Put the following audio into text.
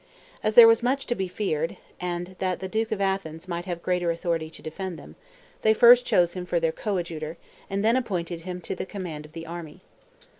As there was much to be feared, and that the duke of Athens might have greater authority to defend them, they first chose him for their coadjutor, and then appointed him to the command of the army.